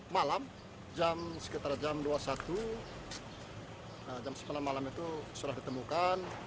malam sekitar jam dua puluh satu jam sembilan malam itu sudah ditemukan